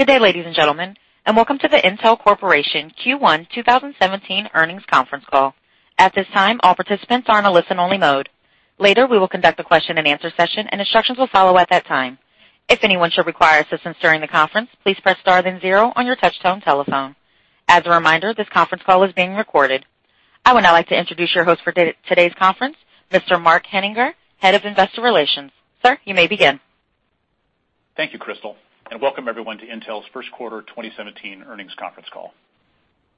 Good day, ladies and gentlemen. Welcome to the Intel Corporation Q1 2017 earnings conference call. At this time, all participants are in a listen-only mode. Later, we will conduct a question and answer session and instructions will follow at that time. If anyone should require assistance during the conference, please press star then zero on your touchtone telephone. As a reminder, this conference call is being recorded. I would now like to introduce your host for today's conference, Mr. Mark Henninger, Head of Investor Relations. Sir, you may begin. Thank you, Crystal. Welcome everyone to Intel's first quarter 2017 earnings conference call.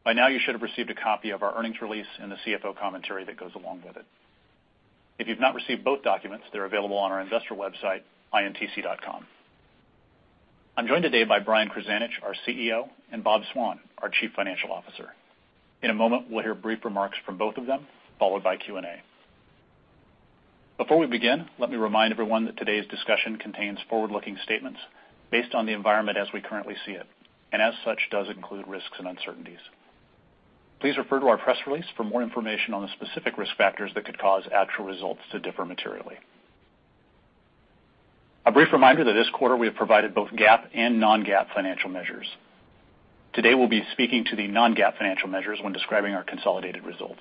By now, you should have received a copy of our earnings release and the CFO commentary that goes along with it. If you've not received both documents, they're available on our investor website, intc.com. I'm joined today by Brian Krzanich, our CEO, and Bob Swan, our Chief Financial Officer. In a moment, we'll hear brief remarks from both of them, followed by Q&A. Before we begin, let me remind everyone that today's discussion contains forward-looking statements based on the environment as we currently see it, and as such, does include risks and uncertainties. Please refer to our press release for more information on the specific risk factors that could cause actual results to differ materially. A brief reminder that this quarter we have provided both GAAP and non-GAAP financial measures. Today, we'll be speaking to the non-GAAP financial measures when describing our consolidated results.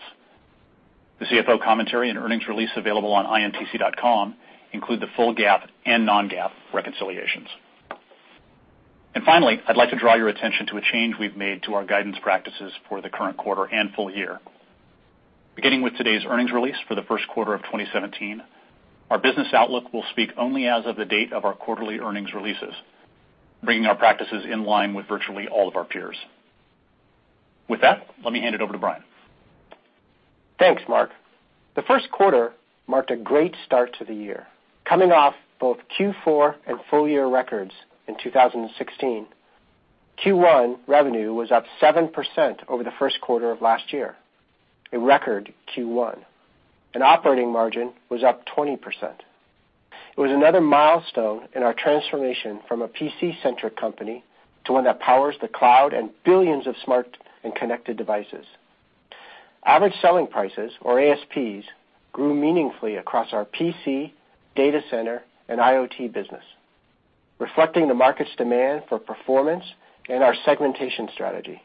The CFO commentary and earnings release available on intc.com include the full GAAP and non-GAAP reconciliations. Finally, I'd like to draw your attention to a change we've made to our guidance practices for the current quarter and full year. Beginning with today's earnings release for the first quarter of 2017, our business outlook will speak only as of the date of our quarterly earnings releases, bringing our practices in line with virtually all of our peers. With that, let me hand it over to Brian. Thanks, Mark. The first quarter marked a great start to the year. Coming off both Q4 and full-year records in 2016, Q1 revenue was up 7% over the first quarter of last year, a record Q1. Operating margin was up 20%. It was another milestone in our transformation from a PC-centric company to one that powers the cloud and billions of smart and connected devices. Average selling prices, or ASPs, grew meaningfully across our PC, data center, and IoT business, reflecting the market's demand for performance and our segmentation strategy.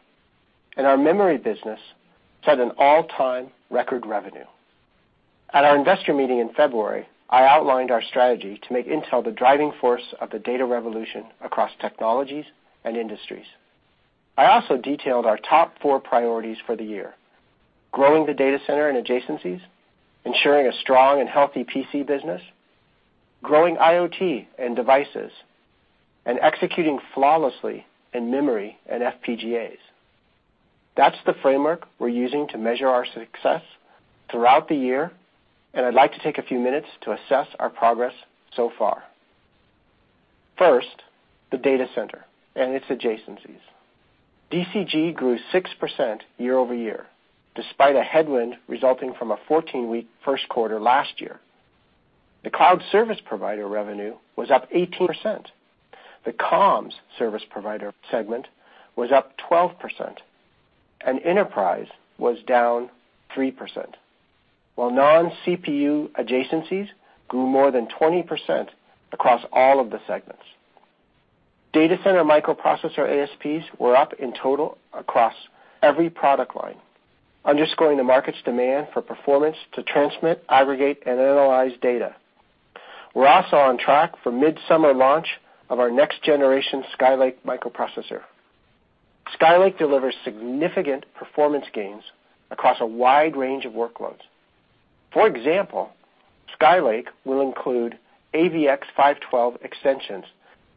Our memory business set an all-time record revenue. At our investor meeting in February, I outlined our strategy to make Intel the driving force of the data revolution across technologies and industries. I also detailed our top four priorities for the year, growing the Data Center and adjacencies, ensuring a strong and healthy PC business, growing IoT and devices, and executing flawlessly in memory and FPGAs. That's the framework we're using to measure our success throughout the year. I'd like to take a few minutes to assess our progress so far. First, the Data Center and its adjacencies. DCG grew 6% year-over-year, despite a headwind resulting from a 14-week first quarter last year. The cloud service provider revenue was up 18%. The comms service provider segment was up 12%, and enterprise was down 3%, while non-CPU adjacencies grew more than 20% across all of the segments. Data Center microprocessor ASPs were up in total across every product line, underscoring the market's demand for performance to transmit, aggregate, and analyze data. We're also on track for midsummer launch of our next-generation Skylake microprocessor. Skylake delivers significant performance gains across a wide range of workloads. For example, Skylake will include AVX-512 extensions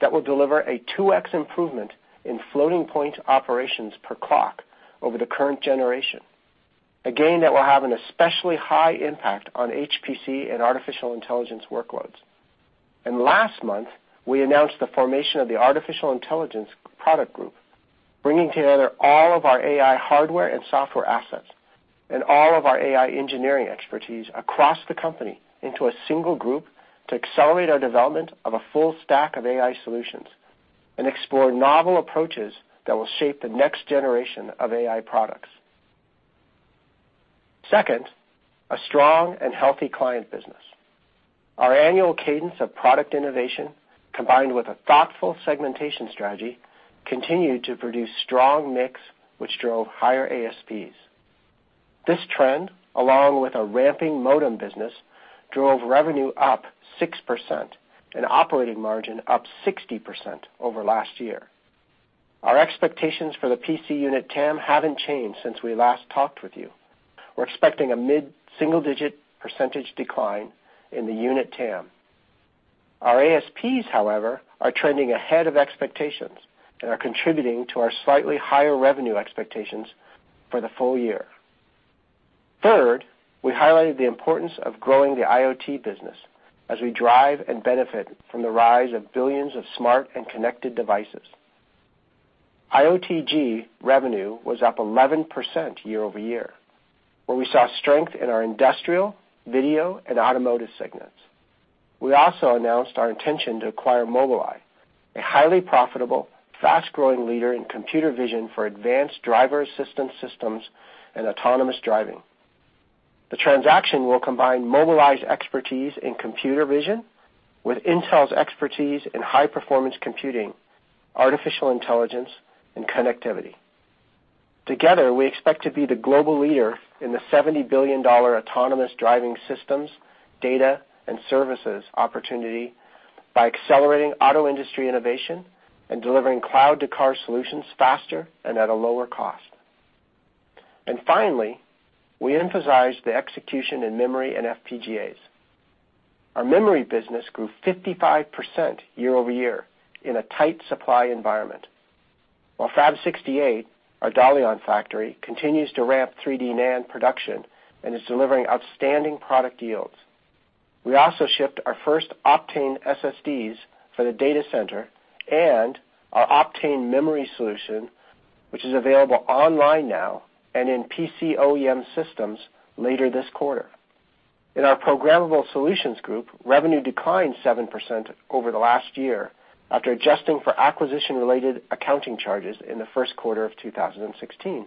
that will deliver a 2x improvement in floating point operations per clock over the current generation, a gain that will have an especially high impact on HPC and artificial intelligence workloads. Last month, we announced the formation of the Artificial Intelligence Products Group, bringing together all of our AI hardware and software assets and all of our AI engineering expertise across the company into a single group to accelerate our development of a full stack of AI solutions and explore novel approaches that will shape the next generation of AI products. Second, a strong and healthy client business. Our annual cadence of product innovation, combined with a thoughtful segmentation strategy, continued to produce strong mix, which drove higher ASPs. This trend, along with a ramping modem business, drove revenue up 6% and operating margin up 60% over last year. Our expectations for the PC unit TAM haven't changed since we last talked with you. We're expecting a mid-single-digit percentage decline in the unit TAM. Our ASPs, however, are trending ahead of expectations and are contributing to our slightly higher revenue expectations for the full year. Third, we highlighted the importance of growing the IoT business as we drive and benefit from the rise of billions of smart and connected devices. IOTG revenue was up 11% year-over-year, where we saw strength in our industrial, video, and automotive segments. We also announced our intention to acquire Mobileye, a highly profitable, fast-growing leader in computer vision for advanced driver assistance systems and autonomous driving. The transaction will combine Mobileye's expertise in computer vision with Intel's expertise in high-performance computing, artificial intelligence, and connectivity. Together, we expect to be the global leader in the $70 billion autonomous driving systems, data, and services opportunity by accelerating auto industry innovation and delivering cloud-to-car solutions faster and at a lower cost. Finally, we emphasize the execution in memory and FPGAs. Our memory business grew 55% year-over-year in a tight supply environment. While Fab 68, our Dalian factory, continues to ramp 3D NAND production and is delivering outstanding product yields. We also shipped our first Optane SSDs for the Data Center and our Optane memory solution, which is available online now and in PC OEM systems later this quarter. In our Programmable Solutions Group, revenue declined 7% over the last year after adjusting for acquisition-related accounting charges in the first quarter of 2016.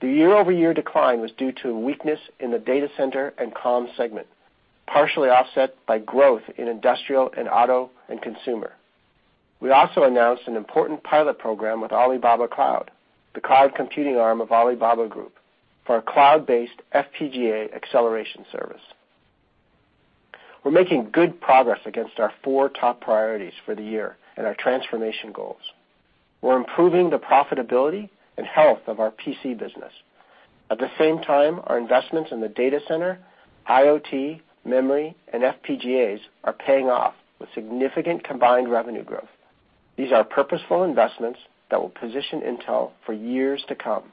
The year-over-year decline was due to weakness in the data center and comm segment, partially offset by growth in industrial, and auto, and consumer. We also announced an important pilot program with Alibaba Cloud, the cloud computing arm of Alibaba Group, for a cloud-based FPGA acceleration service. We're making good progress against our four top priorities for the year and our transformation goals. We're improving the profitability and health of our PC business. At the same time, our investments in the data center, IoT, memory, and FPGAs are paying off with significant combined revenue growth. These are purposeful investments that will position Intel for years to come.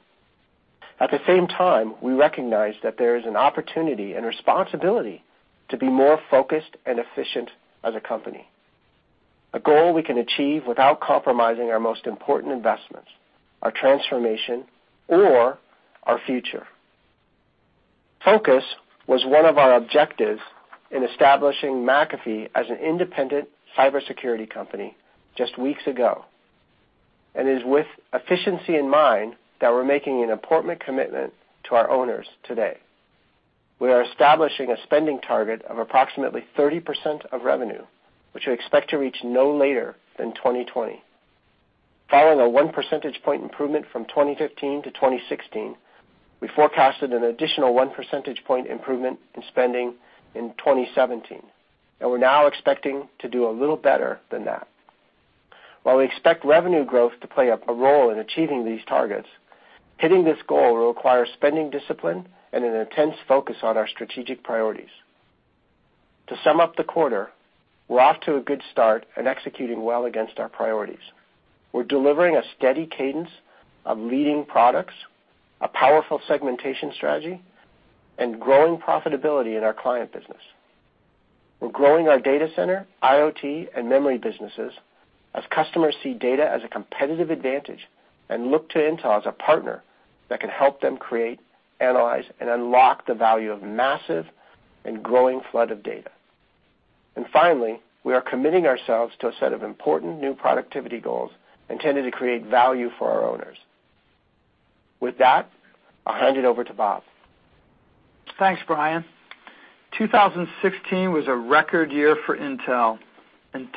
At the same time, we recognize that there is an opportunity and responsibility to be more focused and efficient as a company. A goal we can achieve without compromising our most important investments, our transformation, or our future. Focus was one of our objectives in establishing McAfee as an independent cybersecurity company just weeks ago. It is with efficiency in mind that we're making an important commitment to our owners today. We are establishing a spending target of approximately 30% of revenue, which we expect to reach no later than 2020. Following a one percentage point improvement from 2015 to 2016, we forecasted an additional one percentage point improvement in spending in 2017, we're now expecting to do a little better than that. While we expect revenue growth to play a role in achieving these targets, hitting this goal will require spending discipline and an intense focus on our strategic priorities. To sum up the quarter, we're off to a good start and executing well against our priorities. We're delivering a steady cadence of leading products, a powerful segmentation strategy, and growing profitability in our client business. We're growing our data center, IoT, and memory businesses as customers see data as a competitive advantage and look to Intel as a partner that can help them create, analyze, and unlock the value of massive and growing flood of data. Finally, we are committing ourselves to a set of important new productivity goals intended to create value for our owners. With that, I'll hand it over to Bob. Thanks, Brian. 2016 was a record year for Intel.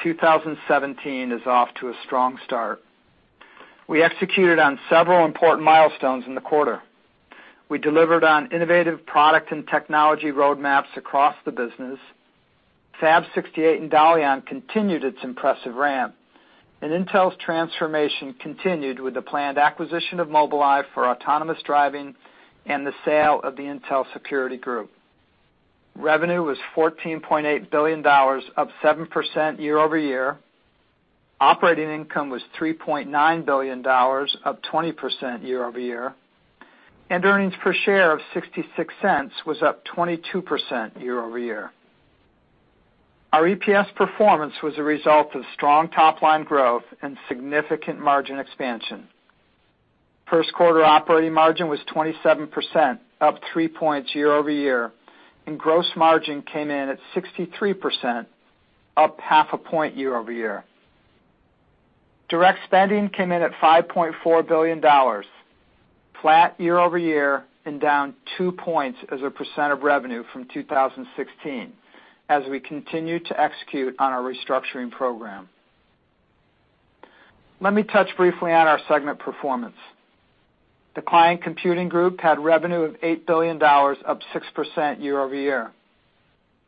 2017 is off to a strong start. We executed on several important milestones in the quarter. We delivered on innovative product and technology roadmaps across the business. Fab 68 in Dalian continued its impressive ramp. Intel's transformation continued with the planned acquisition of Mobileye for autonomous driving and the sale of the Intel Security Group. Revenue was $14.8 billion, up 7% year-over-year. Operating income was $3.9 billion, up 20% year-over-year. Earnings per share of $0.66 was up 22% year-over-year. Our EPS performance was a result of strong top-line growth and significant margin expansion. First quarter operating margin was 27%, up 3 points year-over-year. Gross margin came in at 63%, up half a point year-over-year. Direct spending came in at $5.4 billion, flat year-over-year and down two points as a percent of revenue from 2016, as we continue to execute on our restructuring program. Let me touch briefly on our segment performance. The Client Computing Group had revenue of $8 billion, up 6% year-over-year.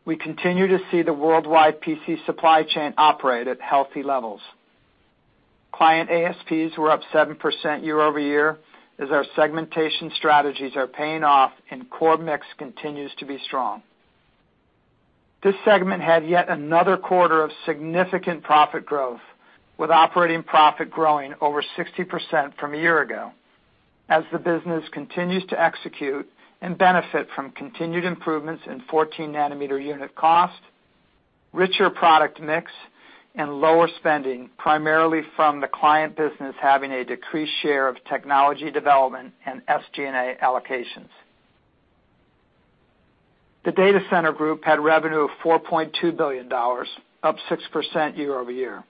We continue to see the worldwide PC supply chain operate at healthy levels. Client ASPs were up 7% year-over-year as our segmentation strategies are paying off and core mix continues to be strong. This segment had yet another quarter of significant profit growth, with operating profit growing over 60% from a year ago, as the business continues to execute and benefit from continued improvements in 14 nanometer unit cost, richer product mix, and lower spending, primarily from the client business having a decreased share of technology development and SG&A allocations. The Data Center Group had revenue of $4.2 billion, up 6% year-over-year.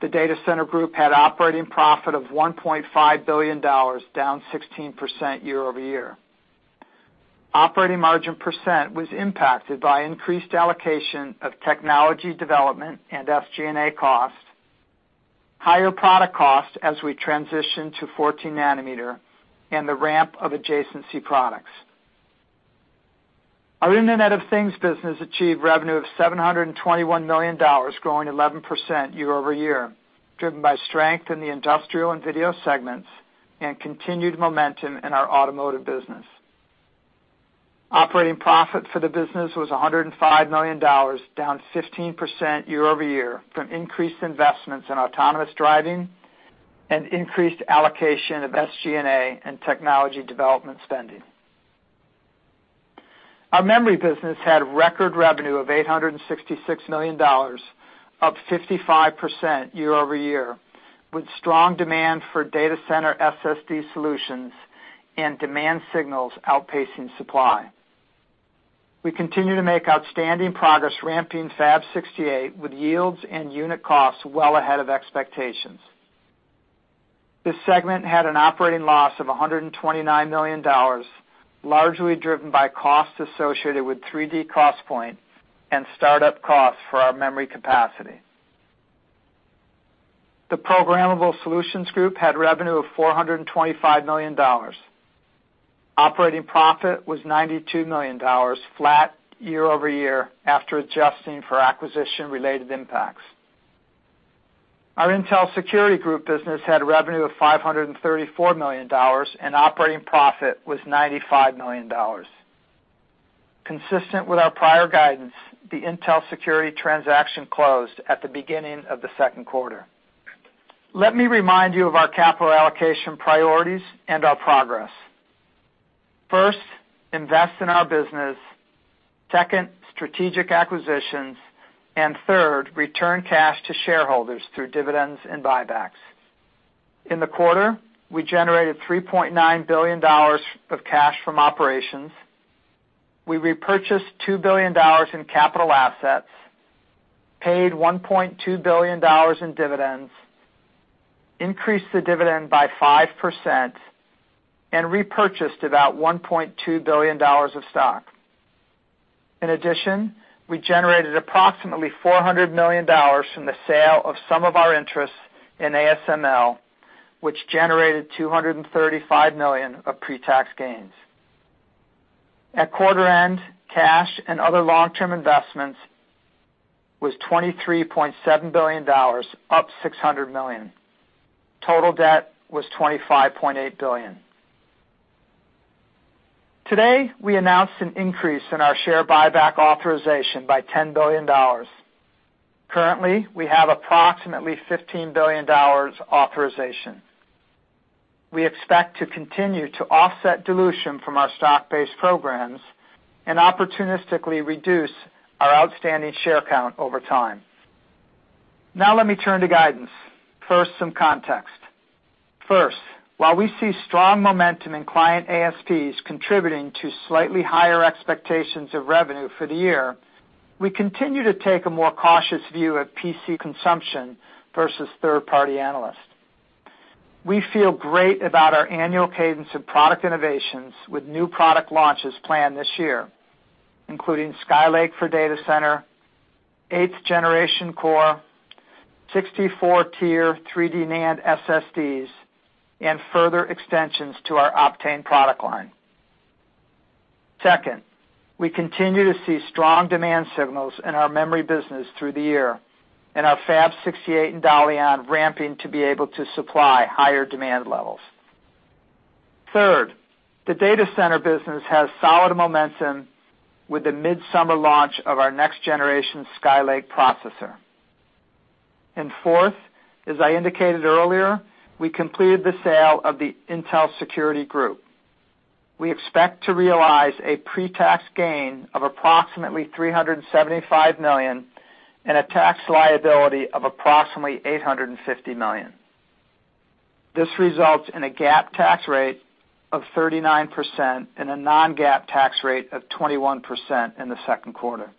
The Data Center Group had operating profit of $1.5 billion, down 16% year-over-year. Operating margin percent was impacted by increased allocation of technology development and SG&A costs, higher product costs as we transition to 14 nanometer, and the ramp of adjacency products. Our Internet of Things business achieved revenue of $721 million, growing 11% year-over-year, driven by strength in the industrial and video segments, and continued momentum in our automotive business. Operating profit for the business was $105 million, down 15% year-over-year from increased investments in autonomous driving and increased allocation of SG&A and technology development spending. Our memory business had record revenue of $866 million, up 55% year-over-year, with strong demand for data center SSD solutions and demand signals outpacing supply. We continue to make outstanding progress ramping Fab 68 with yields and unit costs well ahead of expectations. This segment had an operating loss of $129 million, largely driven by costs associated with 3D XPoint and start-up costs for our memory capacity. The Programmable Solutions Group had revenue of $425 million. Operating profit was $92 million, flat year-over-year, after adjusting for acquisition-related impacts. Our Intel Security Group business had revenue of $534 million and operating profit was $95 million. Consistent with our prior guidance, the Intel Security transaction closed at the beginning of the second quarter. Let me remind you of our capital allocation priorities and our progress. First, invest in our business. Second, strategic acquisitions. Third, return cash to shareholders through dividends and buybacks. In the quarter, we generated $3.9 billion of cash from operations. We repurchased $2 billion in capital assets, paid $1.2 billion in dividends, increased the dividend by 5%, and repurchased about $1.2 billion of stock. In addition, we generated approximately $400 million from the sale of some of our interests in ASML, which generated $235 million of pre-tax gains. At quarter end, cash and other long-term investments was $23.7 billion, up $600 million. Total debt was $25.8 billion. Today, we announced an increase in our share buyback authorization by $10 billion. Currently, we have approximately $15 billion authorization. We expect to continue to offset dilution from our stock-based programs and opportunistically reduce our outstanding share count over time. Let me turn to guidance. First, some context. First, while we see strong momentum in client ASPs contributing to slightly higher expectations of revenue for the year, we continue to take a more cautious view of PC consumption versus third-party analysts. We feel great about our annual cadence of product innovations with new product launches planned this year, including Skylake for Data Center, 8th Generation Intel Core, 64-tier 3D NAND SSDs, and further extensions to our Optane product line. Second, we continue to see strong demand signals in our memory business through the year, and our Fab 68 in Dalian ramping to be able to supply higher demand levels. Third, the Data Center business has solid momentum with the midsummer launch of our next-generation Skylake processor. Fourth, as I indicated earlier, we completed the sale of the Intel Security Group. We expect to realize a pre-tax gain of approximately $375 million and a tax liability of approximately $850 million. This results in a GAAP tax rate of 39% and a non-GAAP tax rate of 21% in the second quarter.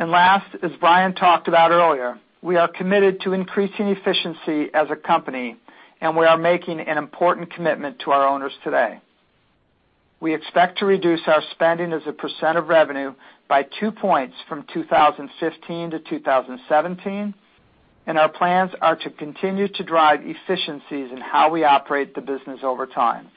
Last, as Brian talked about earlier, we are committed to increasing efficiency as a company, and we are making an important commitment to our owners today. We expect to reduce our spending as a percent of revenue by two points from 2015 to 2017, and our plans are to continue to drive efficiencies in how we operate the business over time.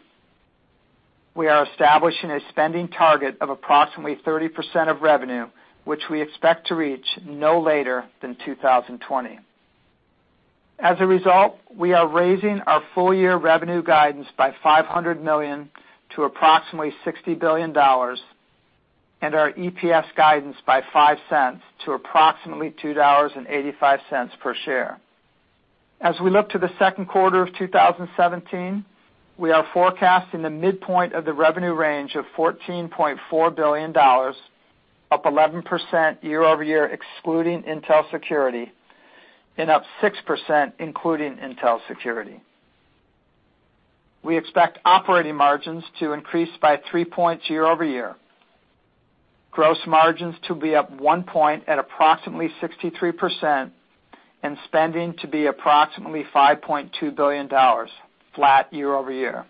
We are establishing a spending target of approximately 30% of revenue, which we expect to reach no later than 2020. As a result, we are raising our full-year revenue guidance by $500 million to approximately $60 billion, and our EPS guidance by $0.05 to approximately $2.85 per share. As we look to the second quarter of 2017, we are forecasting the midpoint of the revenue range of $14.4 billion, up 11% year-over-year excluding Intel Security, and up 6% including Intel Security. We expect operating margins to increase by three points year-over-year, gross margins to be up one point at approximately 63%, and spending to be approximately $5.2 billion, flat year-over-year.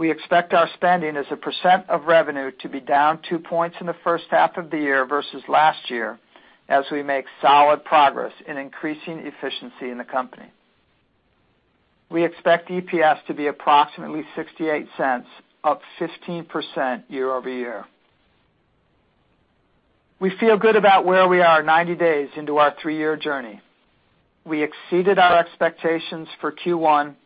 We expect our spending as a percent of revenue to be down two points in the first half of the year versus last year, as we make solid progress in increasing efficiency in the company. We expect EPS to be approximately $0.68, up 15% year-over-year. We feel good about where we are 90 days into our three-year journey. We exceeded our expectations for Q1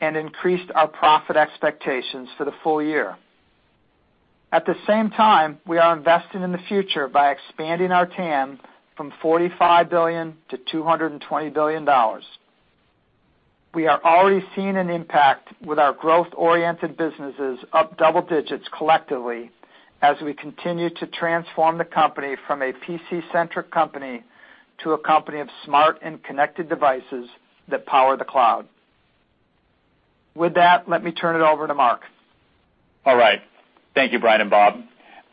and increased our profit expectations for the full year. At the same time, we are investing in the future by expanding our TAM from $45 billion to $220 billion. We are already seeing an impact with our growth-oriented businesses up double digits collectively as we continue to transform the company from a PC-centric company to a company of smart and connected devices that power the cloud. With that, let me turn it over to Mark. All right. Thank you, Brian and Bob.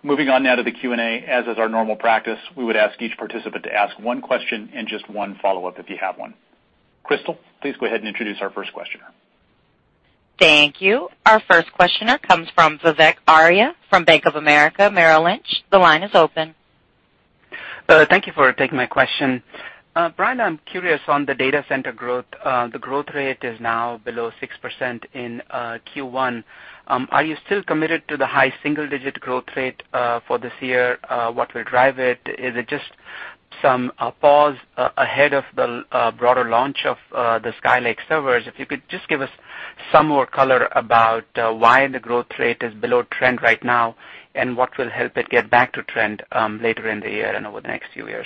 Moving on now to the Q&A. As is our normal practice, we would ask each participant to ask one question and just one follow-up if you have one. Crystal, please go ahead and introduce our first questioner. Thank you. Our first questioner comes from Vivek Arya from Bank of America Merrill Lynch. The line is open. Thank you for taking my question. Brian, I'm curious on the data center growth. The growth rate is now below 6% in Q1. Are you still committed to the high single-digit growth rate for this year? What will drive it? Is it just some pause ahead of the broader launch of the Skylake servers? If you could just give us some more color about why the growth rate is below trend right now, and what will help it get back to trend later in the year and over the next few years.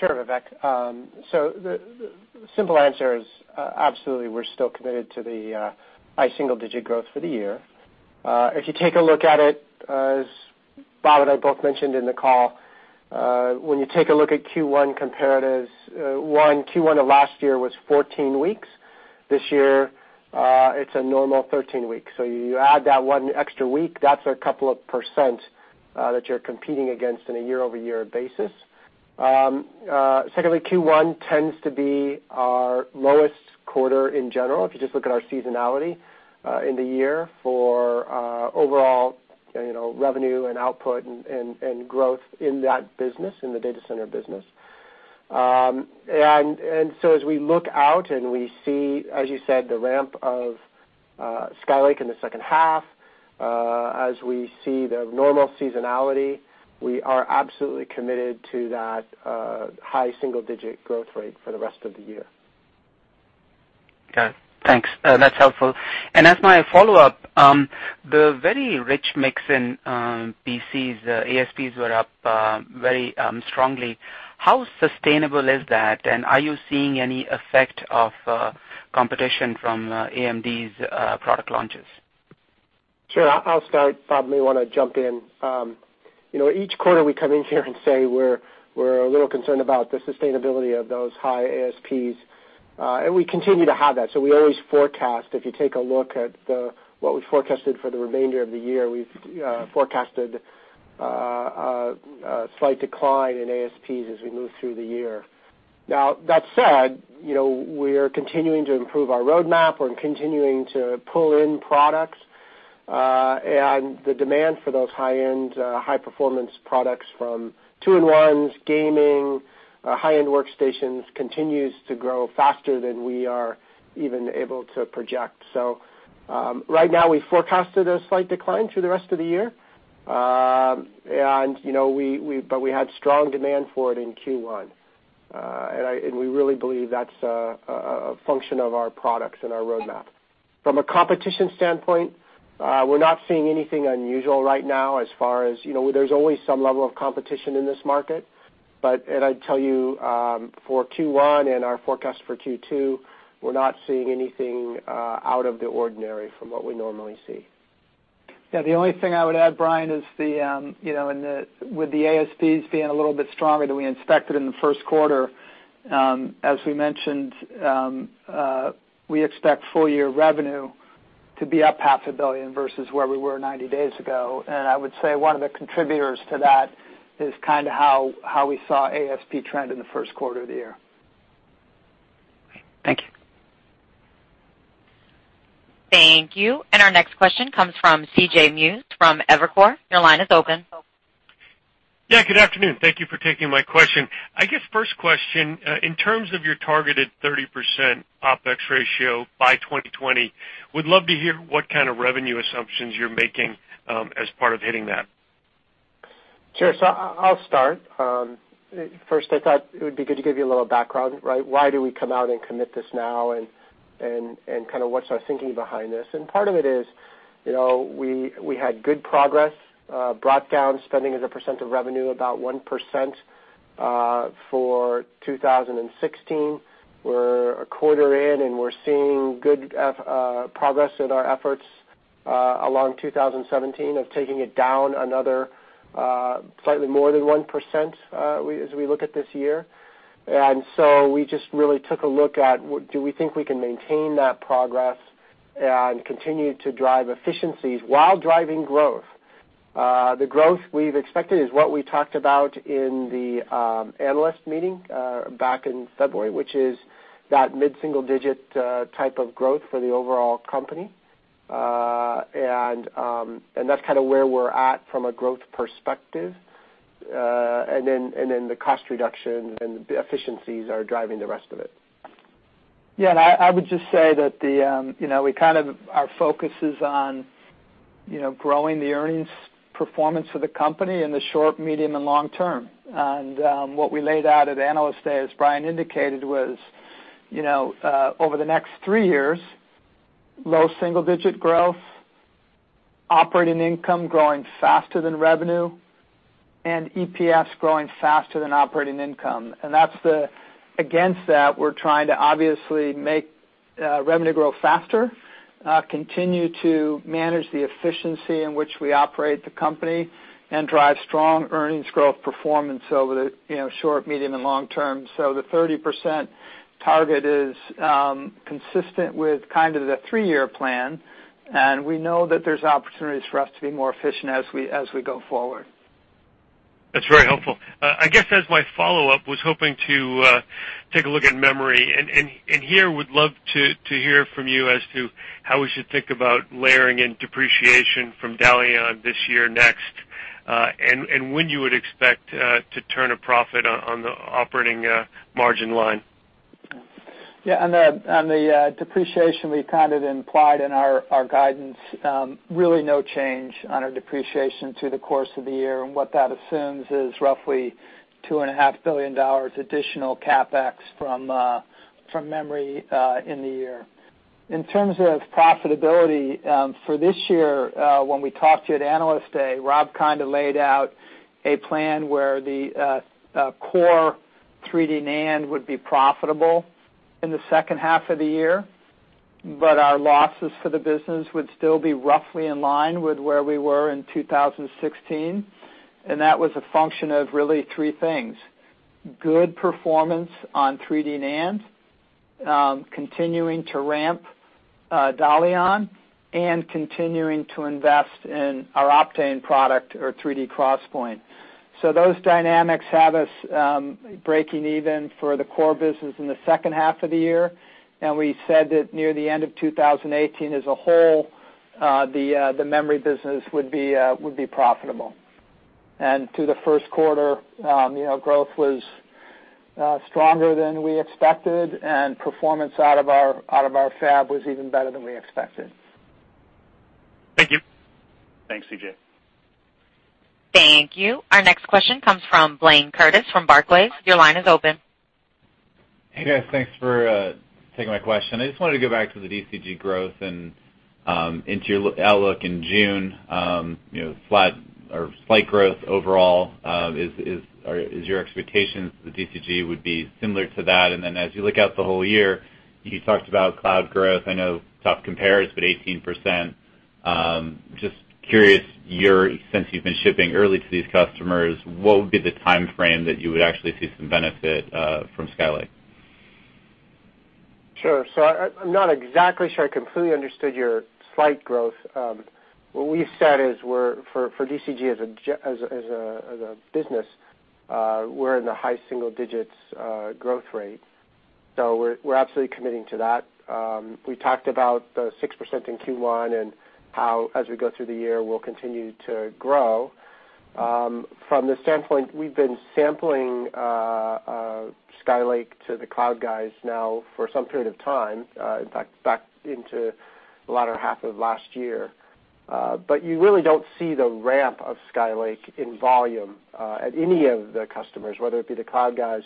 Sure, Vivek. The simple answer is absolutely, we're still committed to the high single digit growth for the year. If you take a look at it, as Bob and I both mentioned in the call, when you look at Q1 comparatives, one, Q1 of last year was 14 weeks. This year, it's a normal 13 weeks. You add that one extra week, that's a couple of percent that you're competing against on a year-over-year basis. Secondly, Q1 tends to be our lowest quarter in general, if you just look at our seasonality in the year for overall revenue and output and growth in that business, in the data center business. As we look out and we see, as you said, the ramp of Skylake in the second half, as we see the normal seasonality, we are absolutely committed to that high single-digit growth rate for the rest of the year. Got it. Thanks. That's helpful. As my follow-up, the very rich mix in PCs, ASPs were up very strongly. How sustainable is that? Are you seeing any effect of competition from AMD's product launches? Sure. I'll start. Bob may want to jump in. Each quarter we come in here and say we're a little concerned about the sustainability of those high ASPs, and we continue to have that. We always forecast. If you take a look at what we forecasted for the remainder of the year, we've forecasted a slight decline in ASPs as we move through the year. Now, that said, we're continuing to improve our roadmap. We're continuing to pull in products. The demand for those high-end, high-performance products from two-in-ones, gaming, high-end workstations continues to grow faster than we are even able to project. Right now, we forecasted a slight decline through the rest of the year. We had strong demand for it in Q1, and we really believe that's a function of our products and our roadmap. From a competition standpoint, we're not seeing anything unusual right now. There's always some level of competition in this market, and I'd tell you for Q1 and our forecast for Q2, we're not seeing anything out of the ordinary from what we normally see. Yeah, the only thing I would add, Brian, is with the ASPs being a little bit stronger than we expected in the first quarter, as we mentioned, we expect full-year revenue to be up half a billion versus where we were 90 days ago. I would say one of the contributors to that is how we saw ASP trend in the first quarter of the year. Great. Thank you. Thank you. Our next question comes from CJ Muse from Evercore. Your line is open. Yeah, good afternoon. Thank you for taking my question. I guess first question, in terms of your targeted 30% OpEx ratio by 2020, would love to hear what kind of revenue assumptions you're making as part of hitting that. Sure. I'll start. First, I thought it would be good to give you a little background, right? Why do we come out and commit this now, and what's our thinking behind this? Part of it is we had good progress, brought down spending as a percent of revenue about 1% for 2016. We're a quarter in, and we're seeing good progress in our efforts along 2017 of taking it down another slightly more than 1% as we look at this year. We just really took a look at do we think we can maintain that progress and continue to drive efficiencies while driving growth. The growth we've expected is what we talked about in the Analyst Day back in February, which is that mid-single-digit type of growth for the overall company. That's where we're at from a growth perspective. The cost reduction and the efficiencies are driving the rest of it. I would just say that our focus is on growing the earnings performance for the company in the short, medium, and long term. What we laid out at Analyst Day, as Brian indicated, was, over the next three years, low single-digit growth, operating income growing faster than revenue, and EPS growing faster than operating income. Against that, we're trying to obviously make revenue grow faster, continue to manage the efficiency in which we operate the company, and drive strong earnings growth performance over the short, medium, and long term. The 30% target is consistent with the three-year plan, and we know that there's opportunities for us to be more efficient as we go forward. That's very helpful. I guess as my follow-up, was hoping to take a look at memory, and here would love to hear from you as to how we should think about layering and depreciation from Dalian this year next, and when you would expect to turn a profit on the operating margin line. Yeah, on the depreciation, we kind of implied in our guidance, really no change on our depreciation through the course of the year. What that assumes is roughly $2.5 billion additional CapEx from memory in the year. In terms of profitability for this year, when we talked to you at Analyst Day, Rob kind of laid out a plan where the core 3D NAND would be profitable in the second half of the year, but our losses for the business would still be roughly in line with where we were in 2016. That was a function of really three things: good performance on 3D NAND, continuing to ramp Dalian, and continuing to invest in our Optane product or 3D XPoint. Those dynamics have us breaking even for the core business in the second half of the year. We said that near the end of 2018 as a whole, the memory business would be profitable. Through the first quarter, growth was stronger than we expected, and performance out of our fab was even better than we expected. Thank you. Thanks, CJ. Thank you. Our next question comes from Blayne Curtis from Barclays. Your line is open. Hey, guys. Thanks for taking my question. I just wanted to go back to the DCG growth and into your outlook in June. Slight growth overall is your expectations the DCG would be similar to that. Then as you look out the whole year, you talked about cloud growth. I know, tough compares, but 18%. Just curious, since you've been shipping early to these customers, what would be the timeframe that you would actually see some benefit from Skylake? Sure. I'm not exactly sure I completely understood your slight growth. What we've said is for DCG as a business, we're in the high single digits growth rate. We're absolutely committing to that. We talked about the 6% in Q1 and how, as we go through the year, we'll continue to grow. From the standpoint, we've been sampling Skylake to the cloud guys now for some period of time, in fact, back into the latter half of last year. You really don't see the ramp of Skylake in volume at any of the customers, whether it be the cloud guys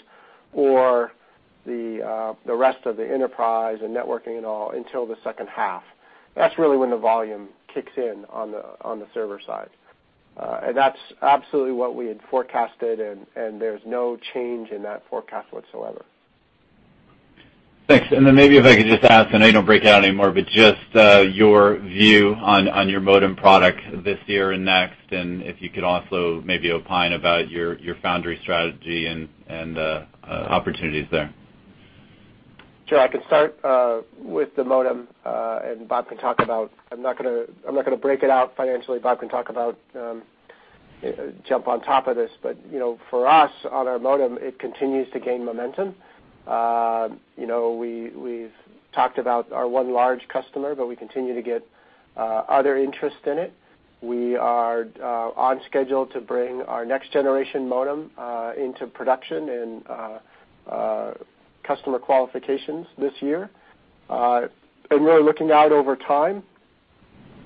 or the rest of the enterprise and networking and all until the second half. That's really when the volume kicks in on the server side. That's absolutely what we had forecasted, and there's no change in that forecast whatsoever. Thanks. Then maybe if I could just ask, I know you don't break it out anymore, just your view on your modem product this year and next, if you could also maybe opine about your foundry strategy and the opportunities there. Sure. I can start with the modem, Bob can talk about. I'm not going to break it out financially. Bob can talk about, jump on top of this. For us, on our modem, it continues to gain momentum. We've talked about our one large customer, but we continue to get other interest in it. We are on schedule to bring our next-generation modem into production and customer qualifications this year. Really looking out over time,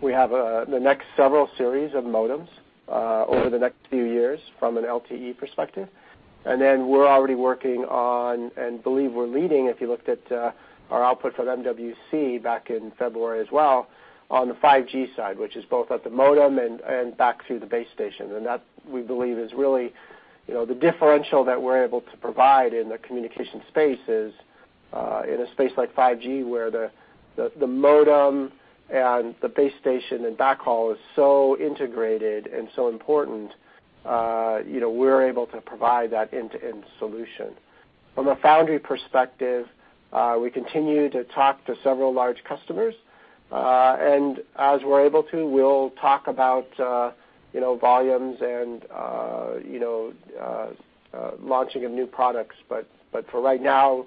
we have the next several series of modems over the next few years from an LTE perspective. Then we're already working on, and believe we're leading, if you looked at our output from MWC back in February as well, on the 5G side, which is both at the modem and back through the base station. That, we believe, is really the differential that we're able to provide in the communication space is. In a space like 5G, where the modem and the base station and backhaul is so integrated and so important, we're able to provide that end-to-end solution. From a foundry perspective, we continue to talk to several large customers. As we're able to, we'll talk about volumes and launching of new products. For right now,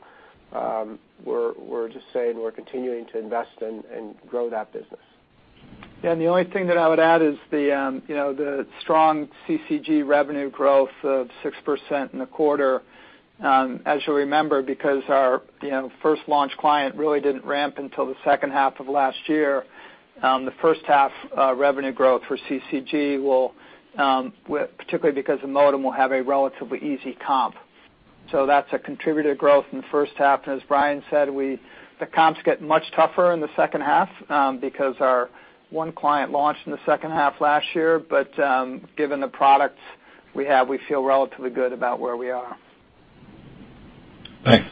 we're just saying we're continuing to invest and grow that business. The only thing that I would add is the strong CCG revenue growth of 6% in the quarter. As you'll remember, because our first launch client really didn't ramp until the second half of last year, the first half revenue growth for CCG will, particularly because the modem will have a relatively easy comp. That's a contributor growth in the first half. As Brian said, the comps get much tougher in the second half, because our one client launched in the second half last year. Given the products we have, we feel relatively good about where we are. Thanks.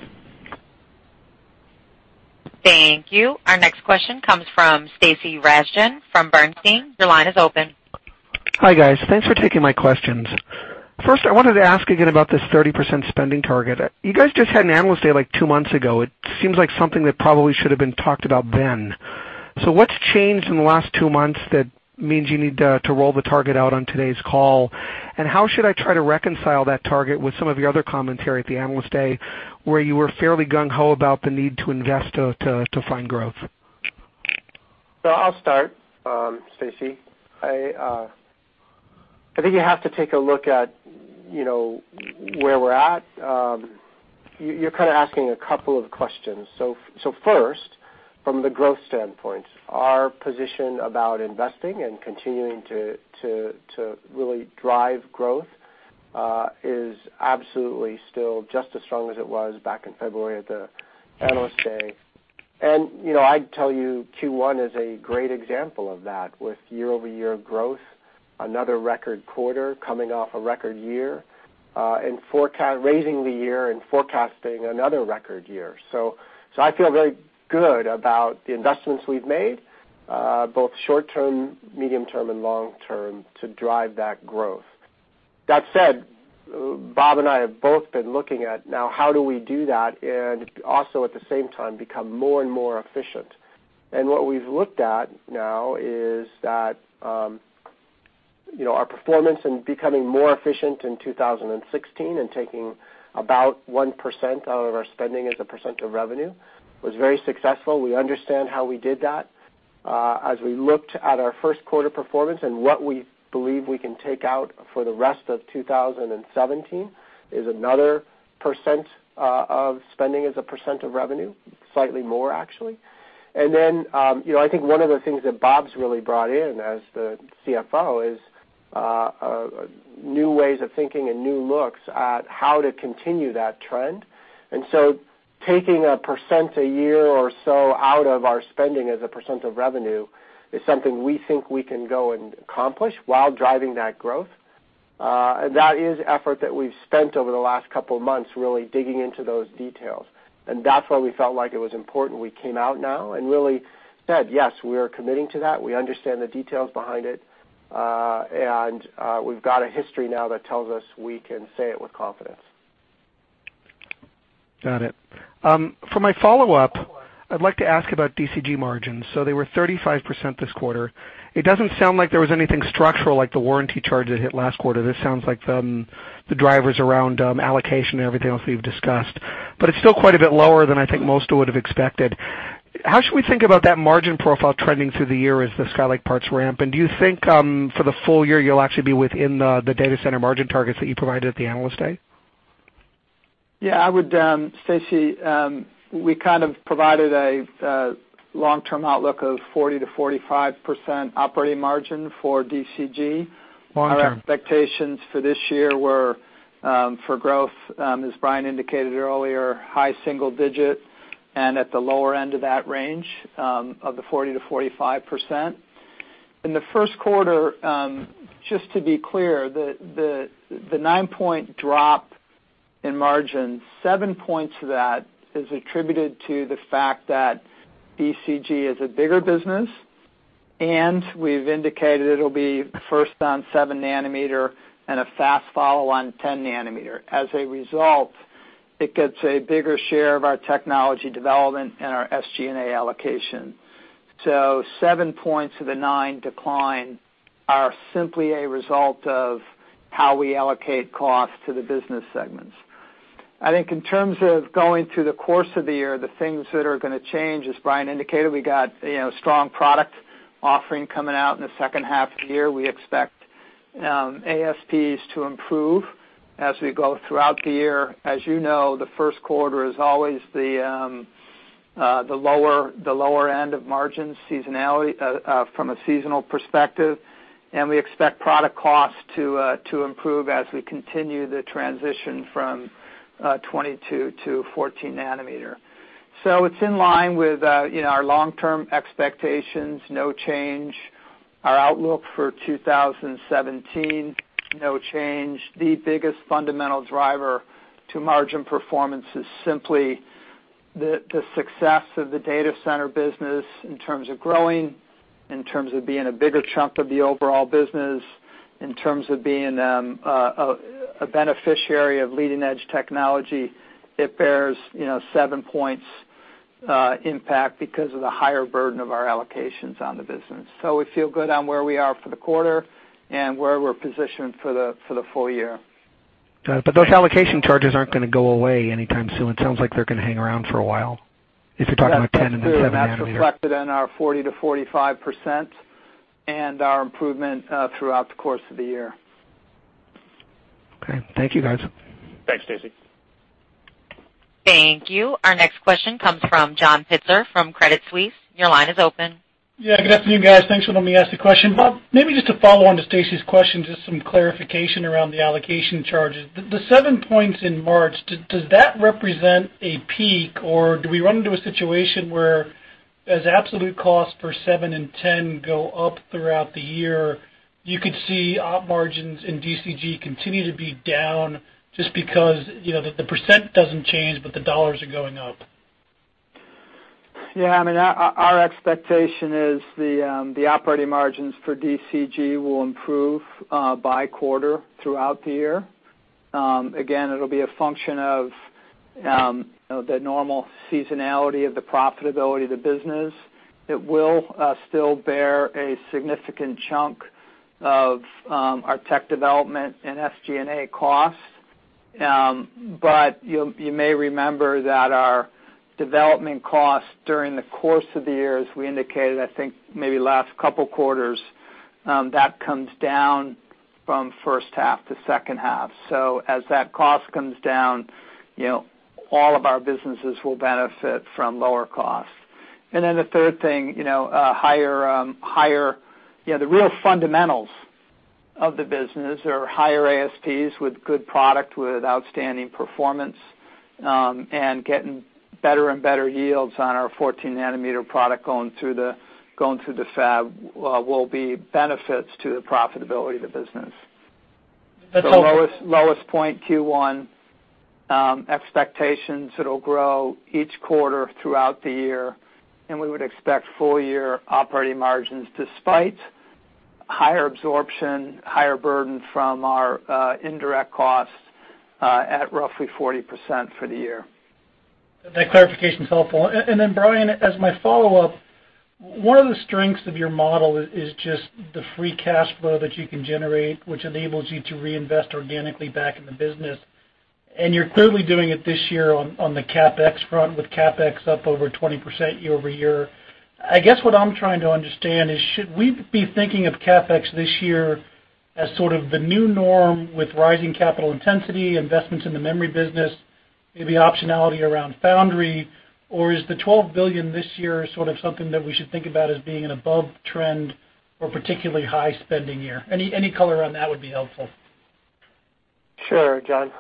Thank you. Our next question comes from Stacy Rasgon from Bernstein. Your line is open. Hi, guys. Thanks for taking my questions. First, I wanted to ask again about this 30% spending target. You guys just had an Analyst Day, like two months ago. It seems like something that probably should've been talked about then. What's changed in the last two months that means you need to roll the target out on today's call? How should I try to reconcile that target with some of your other commentary at the Analyst Day, where you were fairly gung-ho about the need to invest to find growth? I'll start, Stacy. I think you have to take a look at where we're at. You're kind of asking a couple of questions. First, from the growth standpoint, our position about investing and continuing to really drive growth, is absolutely still just as strong as it was back in February at the Analyst Day. I'd tell you Q1 is a great example of that with year-over-year growth, another record quarter coming off a record year, and raising the year and forecasting another record year. I feel very good about the investments we've made, both short-term, medium-term, and long-term to drive that growth. That said, Bob and I have both been looking at now how do we do that and also at the same time become more and more efficient. What we've looked at now is that our performance in becoming more efficient in 2016 and taking about 1% out of our spending as a % of revenue was very successful. We understand how we did that. As we looked at our first quarter performance and what we believe we can take out for the rest of 2017 is another % of spending as a % of revenue, slightly more actually. I think one of the things that Bob's really brought in as the CFO is new ways of thinking and new looks at how to continue that trend. Taking a % a year or so out of our spending as a % of revenue is something we think we can go and accomplish while driving that growth. That is effort that we've spent over the last couple of months really digging into those details, that's why we felt like it was important we came out now and really said, "Yes, we are committing to that. We understand the details behind it. We've got a history now that tells us we can say it with confidence. Got it. For my follow-up, I'd like to ask about DCG margins. They were 35% this quarter. It doesn't sound like there was anything structural like the warranty charge that hit last quarter. This sounds like the drivers around allocation and everything else we've discussed. It's still quite a bit lower than I think most would've expected. How should we think about that margin profile trending through the year as the Skylake parts ramp? Do you think, for the full year, you'll actually be within the data center margin targets that you provided at the Analyst Day? Yeah, Stacy, we kind of provided a long-term outlook of 40%-45% operating margin for DCG. Long term. Our expectations for this year were for growth, as Brian indicated earlier, high single digit and at the lower end of that range, of the 40%-45%. In the first quarter, just to be clear, the nine-point drop in margin, seven points of that is attributed to the fact that DCG is a bigger business, and we've indicated it'll be first on 7 nanometer and a fast follow on 10 nanometer. As a result, it gets a bigger share of our technology development and our SG&A allocation. Seven points of the nine decline are simply a result of how we allocate cost to the business segments. I think in terms of going through the course of the year, the things that are gonna change, as Brian indicated, we got a strong product offering coming out in the second half of the year. We expect ASPs to improve as we go throughout the year. As you know, the first quarter is always the lower end of margins from a seasonal perspective, and we expect product costs to improve as we continue the transition from 22 nanometer to 14 nanometer. It's in line with our long-term expectations, no change. Our outlook for 2017, no change. The biggest fundamental driver to margin performance is simply the success of the data center business in terms of growing, in terms of being a bigger chunk of the overall business, in terms of being a beneficiary of leading-edge technology. It bears seven points impact because of the higher burden of our allocations on the business. We feel good on where we are for the quarter and where we're positioned for the full year. Those allocation charges aren't going to go away anytime soon. It sounds like they're going to hang around for a while. If you're talking about 10 nanometer and then seven nanometer. That's reflected in our 40%-45% and our improvement throughout the course of the year. Okay. Thank you, guys. Thanks, Stacy. Thank you. Our next question comes from John Pitzer from Credit Suisse. Your line is open. Yeah, good afternoon, guys. Thanks for letting me ask the question. Bob, maybe just to follow on to Stacy's question, just some clarification around the allocation charges. The seven points in March, does that represent a peak, or do we run into a situation where as absolute cost for seven and 10 go up throughout the year, you could see Op margins in DCG continue to be down just because the percent doesn't change, but the dollars are going up? Yeah, our expectation is the operating margins for DCG will improve by quarter throughout the year. Again, it'll be a function of the normal seasonality of the profitability of the business. It will still bear a significant chunk of our tech development and SG&A costs. You may remember that our development costs during the course of the year, as we indicated, I think maybe last couple quarters, that comes down from first half to second half. As that cost comes down, all of our businesses will benefit from lower costs. And then the third thing, the real fundamentals of the business are higher ASPs with good product, with outstanding performance, and getting better and better yields on our 14-nanometer product going through the fab will be benefits to the profitability of the business. Lowest point Q1 expectations, it'll grow each quarter throughout the year, and we would expect full-year operating margins despite higher absorption, higher burden from our indirect costs at roughly 40% for the year. That clarification is helpful. Brian, as my follow-up, one of the strengths of your model is just the free cash flow that you can generate, which enables you to reinvest organically back in the business, and you're clearly doing it this year on the CapEx front with CapEx up over 20% year-over-year. I guess what I'm trying to understand is should we be thinking of CapEx this year as sort of the new norm with rising capital intensity, investments in the memory business, maybe optionality around foundry? Or is the $12 billion this year sort of something that we should think about as being an above trend or particularly high spending year? Any color on that would be helpful. Sure, John.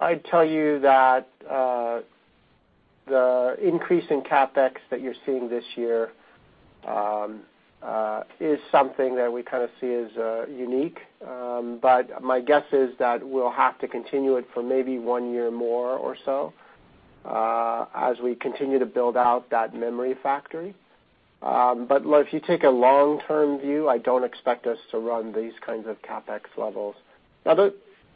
I'd tell you that the increase in CapEx that you're seeing this year is something that we kind of see as unique. My guess is that we'll have to continue it for maybe one year more or so as we continue to build out that memory factory. Look, if you take a long-term view, I don't expect us to run these kinds of CapEx levels.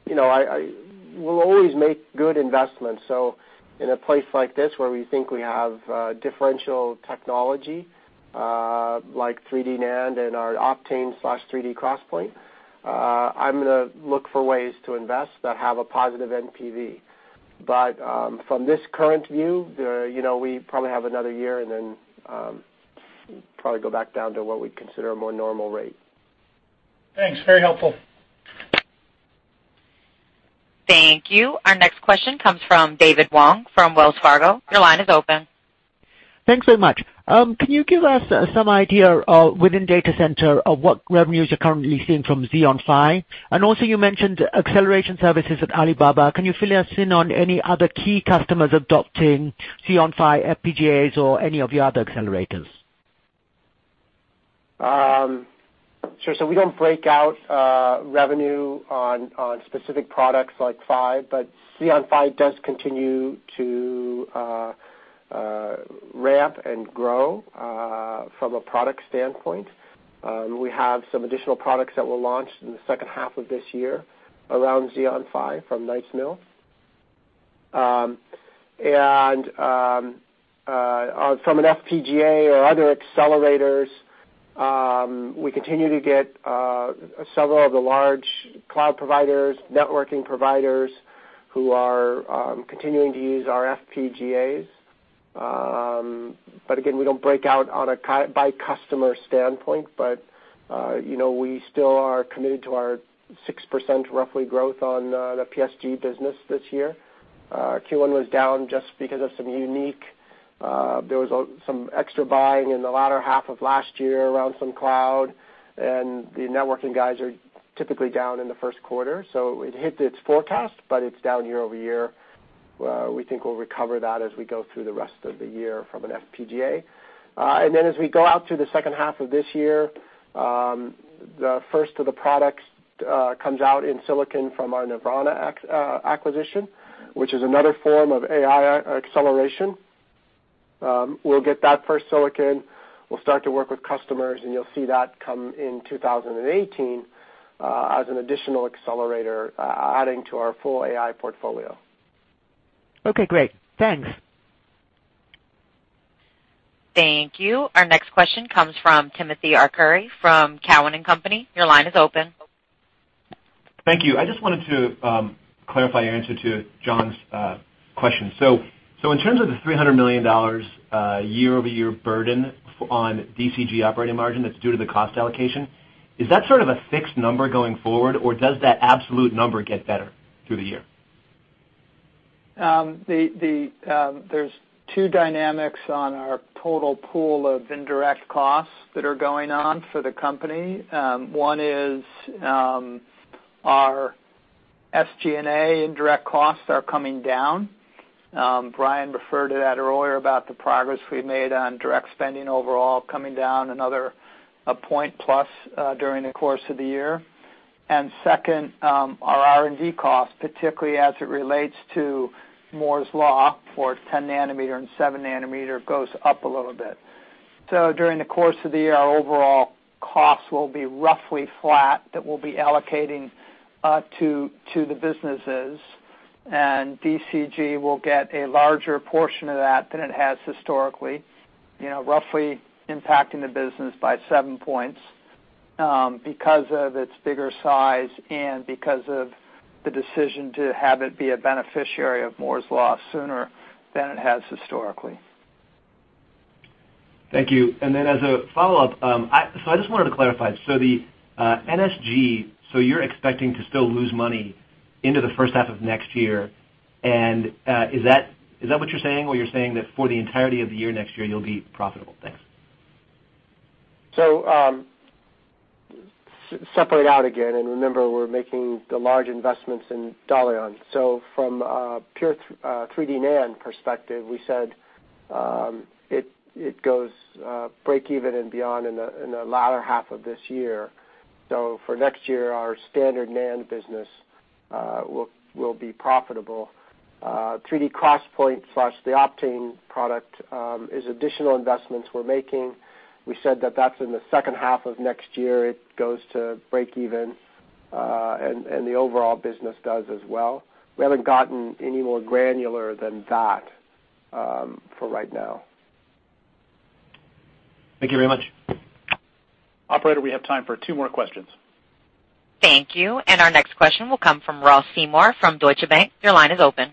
We'll always make good investments. So in a place like this, where we think we have differential technology, like 3D NAND and our Optane/3D XPoint, I'm going to look for ways to invest that have a positive NPV. From this current view, we probably have another year and then probably go back down to what we consider a more normal rate. Thanks. Very helpful. Thank you. Our next question comes from David Wong from Wells Fargo. Your line is open. Thanks very much. Can you give us some idea within Data Center of what revenues you're currently seeing from Xeon Phi? Also, you mentioned acceleration services at Alibaba. Can you fill us in on any other key customers adopting Xeon Phi, FPGAs or any of your other accelerators? We don't break out revenue on specific products like Phi, Xeon Phi does continue to ramp and grow from a product standpoint. We have some additional products that will launch in the second half of this year around Xeon Phi from Knights Mill. From an FPGA or other accelerators, we continue to get several of the large cloud providers, networking providers who are continuing to use our FPGAs. Again, we don't break out by customer standpoint, we still are committed to our 6% roughly growth on the PSG business this year. Q1 was down just because of some there was some extra buying in the latter half of last year around some cloud, and the networking guys are typically down in the first quarter. It hit its forecast, it's down year-over-year. We think we'll recover that as we go through the rest of the year from an FPGA. As we go out to the second half of this year, the first of the products comes out in silicon from our Nervana acquisition, which is another form of AI acceleration. We'll get that first silicon, we'll start to work with customers, and you'll see that come in 2018, as an additional accelerator, adding to our full AI portfolio. Okay, great. Thanks. Thank you. Our next question comes from Timothy Arcuri from Cowen and Company. Your line is open. Thank you. I just wanted to clarify your answer to John's question. In terms of the $300 million year-over-year burden on DCG operating margin that's due to the cost allocation, is that sort of a fixed number going forward, or does that absolute number get better through the year? There's two dynamics on our total pool of indirect costs that are going on for the company. One is, our SG&A indirect costs are coming down. Brian referred to that earlier about the progress we've made on direct spending overall coming down another point plus during the course of the year. Second, our R&D cost, particularly as it relates to Moore's Law for 10 nanometer and seven nanometer, goes up a little bit. During the course of the year, our overall costs will be roughly flat that we'll be allocating to the businesses. DCG will get a larger portion of that than it has historically, roughly impacting the business by seven points, because of its bigger size and because of the decision to have it be a beneficiary of Moore's Law sooner than it has historically. Thank you. As a follow-up, I just wanted to clarify. The NSG, you're expecting to still lose money into the first half of next year. Is that what you're saying, or you're saying that for the entirety of the year next year, you'll be profitable? Thanks. Separate out again, remember, we're making the large investments in Dalian. From a pure 3D NAND perspective, we said it goes break even and beyond in the latter half of this year. For next year, our standard NAND business will be profitable. 3D XPoint/the Optane product is additional investments we're making. We said that that's in the second half of next year it goes to break even, and the overall business does as well. We haven't gotten any more granular than that for right now. Thank you very much. Operator, we have time for two more questions. Thank you. Our next question will come from Ross Seymore from Deutsche Bank. Your line is open.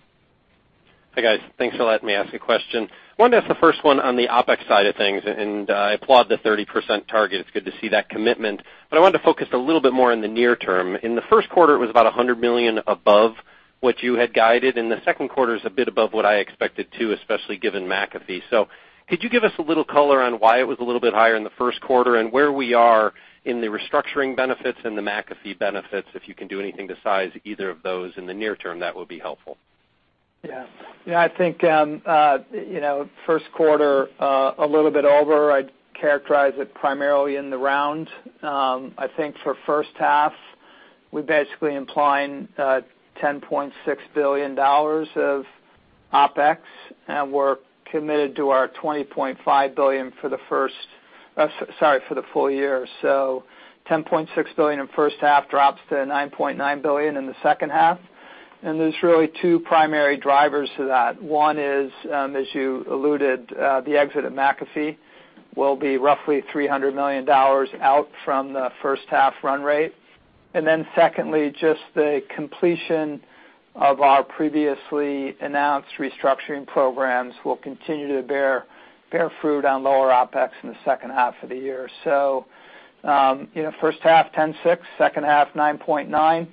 Hi, guys. Thanks for letting me ask a question. Wanted to ask the first one on the OpEx side of things. I applaud the 30% target. It's good to see that commitment. I wanted to focus a little bit more on the near term. In the first quarter, it was about $100 million above what you had guided. The second quarter is a bit above what I expected too, especially given McAfee. Could you give us a little color on why it was a little bit higher in the first quarter and where we are in the restructuring benefits and the McAfee benefits? If you can do anything to size either of those in the near term, that would be helpful. Yeah. I think, first quarter, a little bit over. I'd characterize it primarily in the round. I think for first half, we basically implying $10.6 billion of OpEx. We're committed to our $20.5 billion for the full year. $10.6 billion in first half drops to $9.9 billion in the second half. There's really two primary drivers to that. One is, as you alluded, the exit of McAfee will be roughly $300 million out from the first half run rate. Secondly, just the completion of our previously announced restructuring programs will continue to bear fruit on lower OpEx in the second half of the year. First half, 10.6, second half, 9.9.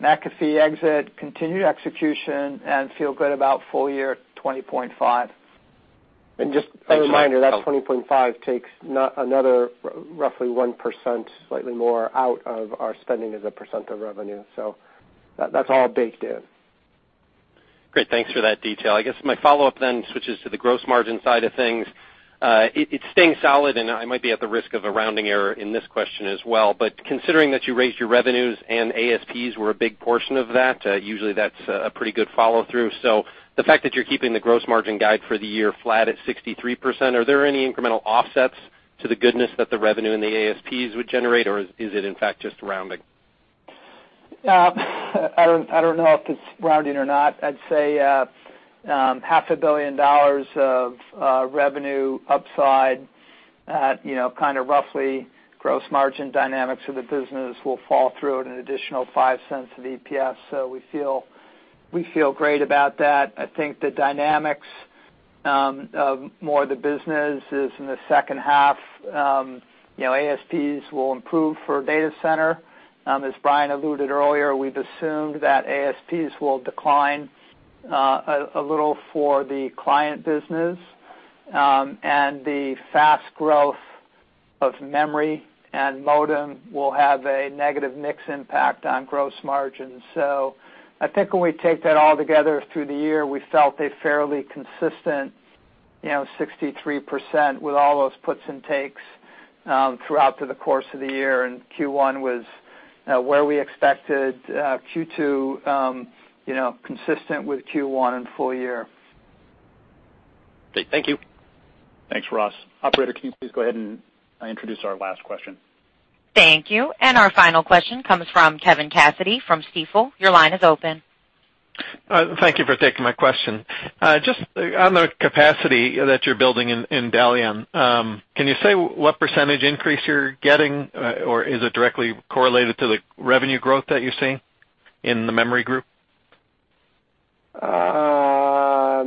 McAfee exit, continued execution, feel good about full year 20.5. Just a reminder. Thanks, Ross. That 20.5 takes another roughly 1%, slightly more, out of our spending as a percent of revenue. That's all baked in. Great. Thanks for that detail. My follow-up then switches to the gross margin side of things. It's staying solid, and I might be at the risk of a rounding error in this question as well, but considering that you raised your revenues and ASPs were a big portion of that, usually that's a pretty good follow-through. The fact that you're keeping the gross margin guide for the year flat at 63%, are there any incremental offsets to the goodness that the revenue and the ASPs would generate, or is it in fact just rounding? I don't know if it's rounding or not. I'd say half a billion dollars of revenue upside at kind of roughly gross margin dynamics of the business will fall through at an additional $0.05 of EPS. We feel great about that. I think the dynamics of more of the business is in the second half. ASPs will improve for Data Center. As Brian alluded earlier, we've assumed that ASPs will decline a little for the Client business, and the fast growth Of memory and modem will have a negative mix impact on gross margins. I think when we take that all together through the year, we felt a fairly consistent 63% with all those puts and takes throughout the course of the year, and Q1 was where we expected. Q2, consistent with Q1 and full year. Okay, thank you. Thanks, Ross. Operator, can you please go ahead and introduce our last question? Thank you. Our final question comes from Kevin Cassidy from Stifel. Your line is open. Thank you for taking my question. Just on the capacity that you're building in Dalian, can you say what % increase you're getting? Is it directly correlated to the revenue growth that you're seeing in the memory group? A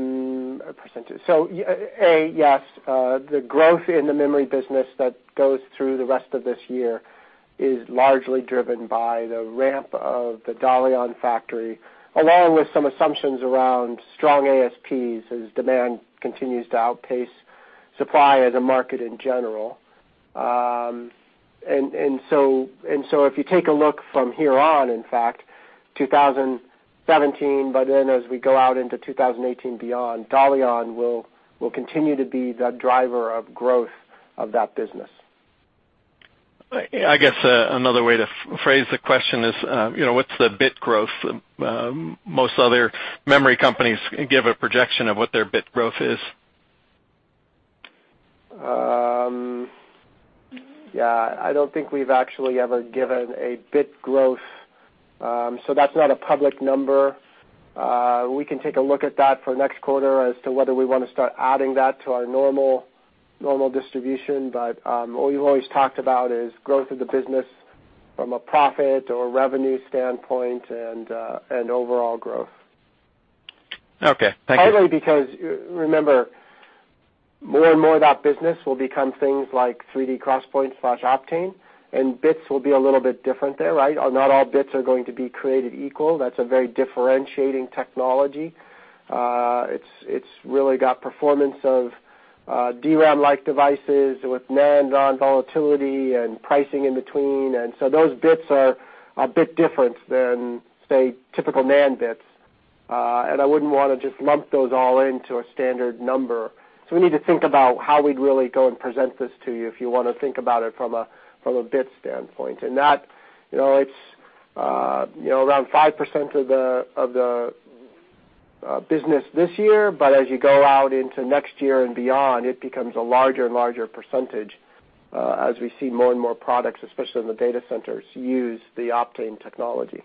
percentage. A, yes, the growth in the memory business that goes through the rest of this year is largely driven by the ramp of the Dalian factory, along with some assumptions around strong ASPs as demand continues to outpace supply as a market in general. If you take a look from here on, in fact, 2017, as we go out into 2018 beyond, Dalian will continue to be the driver of growth of that business. I guess another way to phrase the question is, what's the bit growth? Most other memory companies give a projection of what their bit growth is. Yeah, I don't think we've actually ever given a bit growth. That's not a public number. We can take a look at that for next quarter as to whether we want to start adding that to our normal distribution. What we've always talked about is growth of the business from a profit or revenue standpoint and overall growth. Okay, thank you. Partly because, remember, more and more of that business will become things like 3D XPoint/Optane, and bits will be a little bit different there. Not all bits are going to be created equal. That's a very differentiating technology. It's really got performance of DRAM-like devices with NAND non-volatility and pricing in between. Those bits are a bit different than, say, typical NAND bits. I wouldn't want to just lump those all into a standard number. We need to think about how we'd really go and present this to you if you want to think about it from a bit standpoint. That, it's around 5% of the business this year, but as you go out into next year and beyond, it becomes a larger and larger percentage, as we see more and more products, especially in the data centers, use the Optane technology.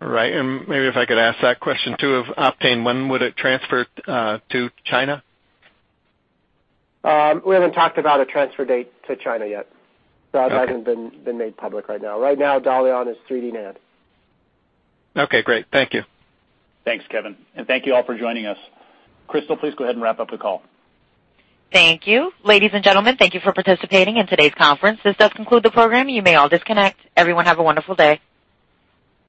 All right. Maybe if I could ask that question, too, of Optane, when would it transfer to China? We haven't talked about a transfer date to China yet. Okay. That hasn't been made public right now. Right now, Dalian is 3D NAND. Okay, great. Thank you. Thanks, Kevin. Thank you all for joining us. Crystal, please go ahead and wrap up the call. Thank you. Ladies and gentlemen, thank you for participating in today's conference. This does conclude the program. You may all disconnect. Everyone, have a wonderful day.